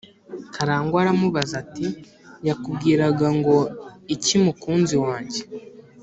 karangwa aramubaza ati: “yakubwiraga ngo iki mukunzi wange?”